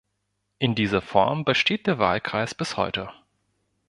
In dieser Form besteht der Wahlkreis bis heute.